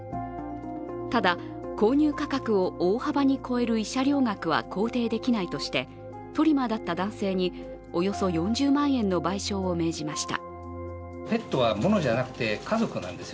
ただ、購入価格を大幅に超える慰謝料額は肯定できないとしてトリマーだった男性におよそ４０万円の賠償を命じました。